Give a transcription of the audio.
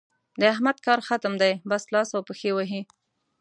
د احمد کار ختم دی؛ بس لاس او پښې وهي.